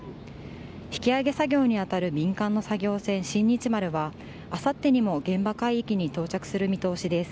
引き揚げ作業に当たる民間の作業船「新日丸」はあさってにも現場海域に到着する見通しです。